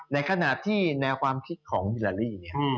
ในขณะที่แนวความคิดของฮิลาลีเนี่ย